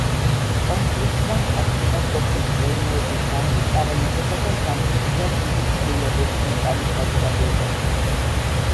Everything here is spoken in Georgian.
კონფლიქტმა მოახდინა სოფლის მეურნეობის დარგის პარალიზება და გამოიწვია დიდი ცვლილებები, ნეპალის საზოგადოებაში.